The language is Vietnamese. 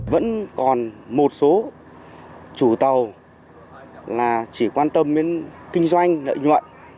vẫn còn một số chủ tàu là chỉ quan tâm đến kinh doanh lợi nhuận